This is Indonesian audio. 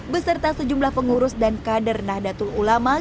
beserta sejumlah pengurus dan kader nahdlatul ulama